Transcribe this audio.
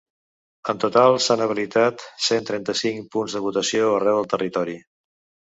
En total s’han habilitat cent trenta-cinc punts de votació arreu del territori.